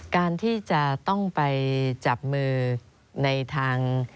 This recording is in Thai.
การที่จะต้องไปจับมือในทาง